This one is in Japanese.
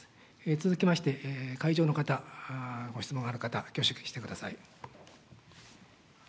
続きまして、会場の方、ご質問ある方、挙手してください。